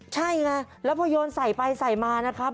ใช่ไงแล้วพอโยนใส่ไปใส่มานะครับ